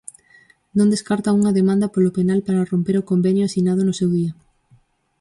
Non descarta unha demanda polo penal para romper o convenio asinado no seu día.